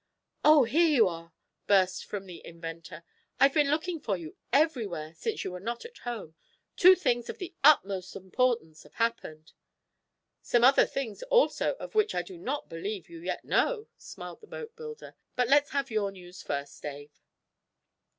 "Oh, here you are," burst from the inventor. "I've been looking for you everywhere, since you were not at home. Two things of the utmost importance have happened." "Some other things, also, of which I do not believe you yet know," smiled the boatbuilder. "But let's have your news, first, Dave."